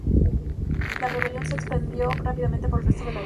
La rebelión se expandió rápidamente por el resto de la isla.